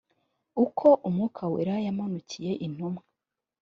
uko umwuka wera yamanukiye intumwa